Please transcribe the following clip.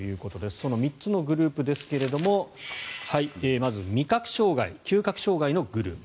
その３つのグループですがまず味覚障害、嗅覚障害のグループ。